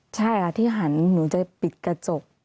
ใช่ค่ะที่หันหนูจะปิดกระจก